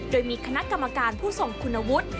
โดยมีคณะกรรมการผู้ทรงคุณวุฒิ